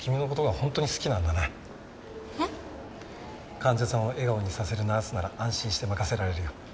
患者さんを笑顔にさせるナースなら安心して任せられるよ。